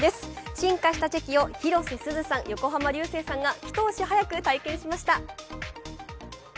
進化したチェキを広瀬すずさん、横浜流星さんが一足早く体験しました。